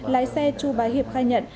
lái xe chú bà hiệp khai nhận